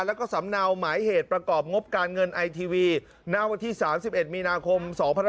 แล้วก็สำเนาหมายเหตุประกอบงบการเงินไอทีวีณวันที่๓๑มีนาคม๒๕๖๒